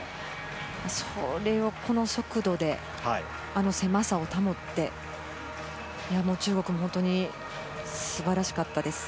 それをこの速度で、あの狭さを保って、中国も本当に素晴らしかったです。